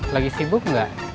lagi sibuk gak